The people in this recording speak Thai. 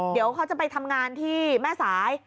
เดี๋ยวเขาจะไปทำงานที่แม่สาย